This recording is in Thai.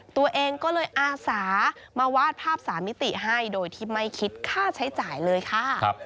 ตัวเองก็เลยอาสามาวาดภาพสามิติให้โดยที่ไม่คิดค่าใช้จ่ายเลยค่ะ